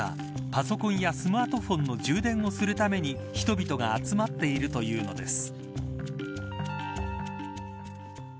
パソコンやスマートフォンの充電をするために人々が集まっているというのです。